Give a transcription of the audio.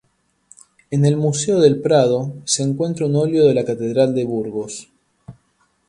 En el Museo del Prado se encuentra un óleo de la Catedral de Burgos.